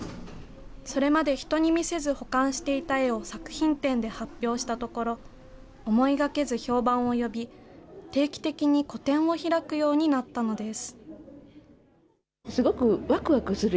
それまで人に見せず保管していた絵を作品展で発表したところ、思いがけず評判を呼び、定期的に個展を開くようになったのです。